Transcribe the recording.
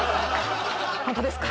ホントですか！？